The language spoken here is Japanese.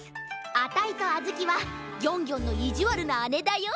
あたいとあずきはギョンギョンのいじわるなあねだよ。